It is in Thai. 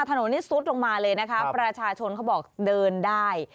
ถนนนี้ซุดลงมาเลยนะคะประชาชนเขาบอกเดินได้